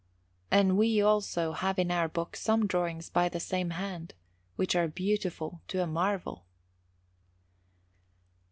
And we, also, have in our book some drawings by the same hand, which are beautiful to a marvel.